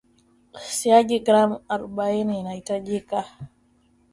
siagi gram arobaini itahitajika